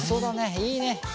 いいね。